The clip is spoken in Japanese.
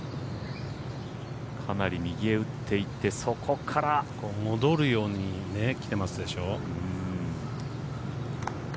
かなり右へ打っていって戻るように来てますでしょう。